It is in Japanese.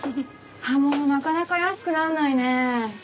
葉物なかなか安くならないね。